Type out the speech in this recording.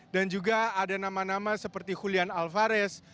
dan juga ada nama nama seperti julian alvarez